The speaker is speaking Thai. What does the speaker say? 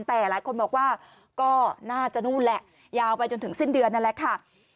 แต่หลายคนบอกว่าก็น่าจะนู่นแหละยาวไปจนถึงสิ้นเดือนนั่นแหละค่ะ